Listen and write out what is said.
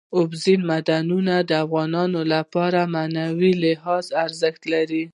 اوبزین معدنونه د افغانانو لپاره په معنوي لحاظ ارزښت لري.